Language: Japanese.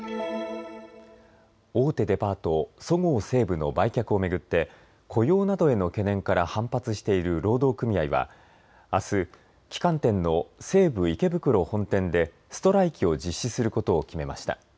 大手デパート、そごう・西武の売却を巡って雇用などへの懸念から反発している労働組合はあす、旗艦店の西武池袋本店でストライキを実施することを決めました。